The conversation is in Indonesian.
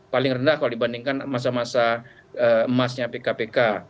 paling rendah kalau dibandingkan masa masa emasnya pkpk